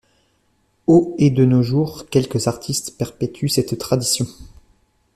Au et de nos jours, quelques artistes perpétuent cette tradition.